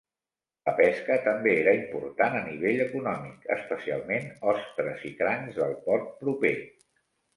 La pesca també era important a nivell econòmic, especialment ostres i crancs del port proper.